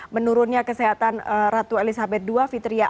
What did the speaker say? menurunnya kesehatan ratu elizabeth ii fitriah